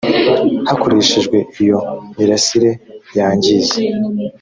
hakoreshejwe iyo mirasire yangiza